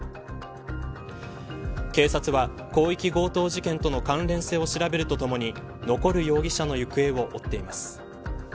警察は広域強盗事件との関連性を調べるとともに残る容疑者の行方を追っています。